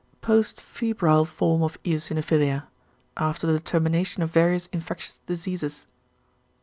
=Post febrile form of eosinophilia= (after the termination of various infectious diseases).